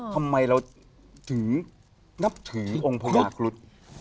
ทำไมเรานับถึงองค์พระยาครุฑ